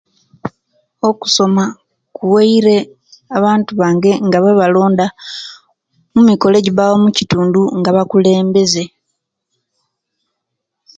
Okusoma kuwaire abantu bange nga babalonda mumikolo egibawo mukitundu nga abakulembeze